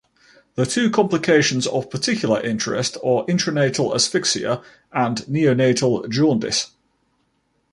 The two complications of particular interest are intranatal asphyxia and neonatal jaundice.